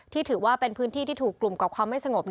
ถือว่าเป็นพื้นที่ที่ถูกกลุ่มกับความไม่สงบ